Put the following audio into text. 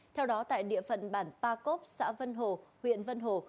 theo đó tại địa phận bản pa cốc xã vân hồ huyện vân hồ